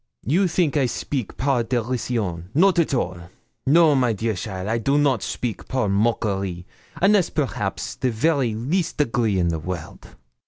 You think I speak par dérision; not at all. No, my dear cheaile, I do not speak par moquerie, unless perhaps the very least degree in the world.'